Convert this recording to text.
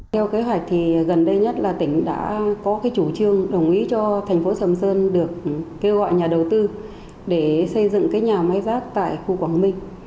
theo kế hoạch thì gần đây nhất là tỉnh đã có cái chủ trương đồng ý cho thành phố sầm sơn được kêu gọi nhà đầu tư để xây dựng cái nhà máy rác tại khu quảng minh